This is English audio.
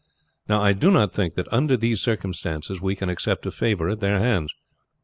Now, I do not think that under these circumstances we can accept a favor at their hands.